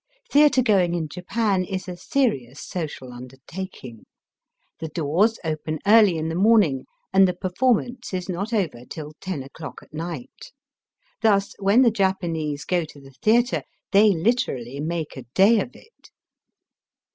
Theatre going in Japan is a serious social undertaking. The doors open early in the morning, and the performance is not over till ten o'clock at night. Thus, when the Japanese go to the theatre, they literally make a day of it.